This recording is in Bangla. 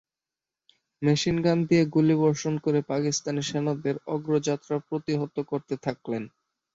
মেশিনগান দিয়ে গুলিবর্ষণ করে পাকিস্তানি সেনাদের অগ্রযাত্রা প্রতিহত করতে থাকলেন।